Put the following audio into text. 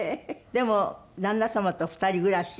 でも旦那様と２人暮らし？